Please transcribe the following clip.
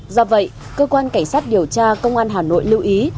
do vậy cơ quan cảnh sát điều tra công an hà nội lưu ý